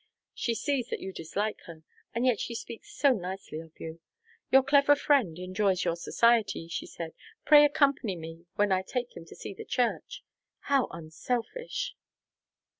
She sees that you dislike her, and yet she speaks so nicely of you. 'Your clever friend enjoys your society,' she said; 'pray accompany me when I take him to see the church.' How unselfish!"